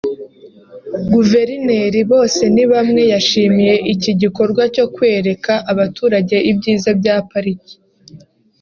Guverineri Bosenibamwe yashimiye iki gikorwa cyo kwereka abaturage ibyiza bya Pariki